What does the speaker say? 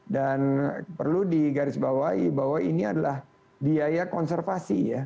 dan perlu digarisbawahi bahwa ini adalah biaya konservasi